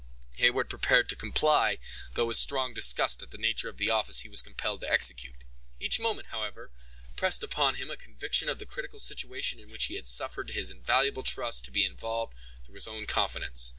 Heyward prepared to comply, though with strong disgust at the nature of the office he was compelled to execute. Each moment, however, pressed upon him a conviction of the critical situation in which he had suffered his invaluable trust to be involved through his own confidence.